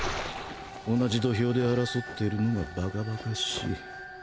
同じ土俵で争っているのが馬鹿馬鹿しい。